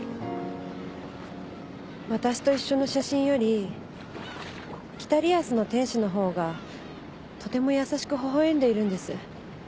私と一緒の写真より『北リアスの天使』の方がとても優しくほほ笑んでいるんです。